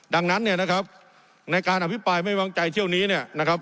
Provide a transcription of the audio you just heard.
ดังนั้นเนี่ยนะครับในการอภิปรายไม่วางใจเที่ยวนี้เนี่ยนะครับ